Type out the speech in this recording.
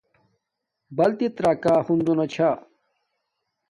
بلتت راکا ہنزو نا چھا